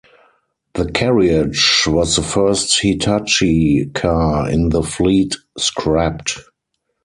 The carriage was the first Hitachi car in the fleet scrapped.